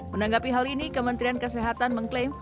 menanggapi hal ini kementerian kesehatan mengklaim